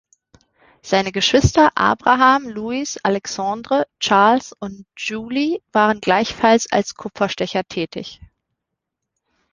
Seine Geschwister Abraham Louis, Alexandre, Charles und Julie waren gleichfalls als Kupferstecher tätig.